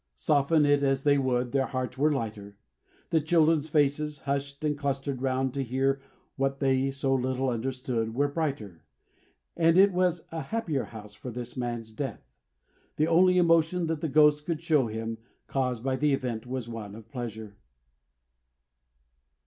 Soften it as they would, their hearts were lighter. The children's faces, hushed and clustered round to hear what they so little understood, were brighter; and it was a happier house for this man's death! The only emotion that the Ghost could show him, caused by the event, was one of pleasure.